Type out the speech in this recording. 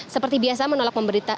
seperti biasa menolak memberikan